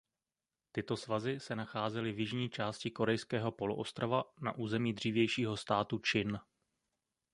Tyto svazy se nacházely v jižní části korejského poloostrova na území dřívějšího státu Čin.